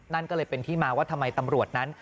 นั่นก็เลยเป็นที่มาว่าทำไมตำรวจนั้น